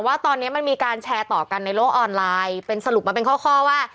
ว่าตอนนี้มันมีการแชร์ต่อกันในโลกออนไลน์เป็นสรุปมาเป็นข้อข้อว่า